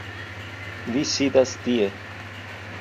Li sidas tie